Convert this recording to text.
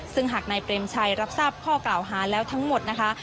ซึ่งหากนายเปรมชัยรับทราบข้อกล่าวหาแล้วทั้งหมดนะคะ